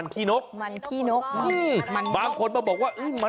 ที่นี่มันเสาครับ